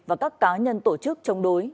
và các cá nhân tổ chức chống đối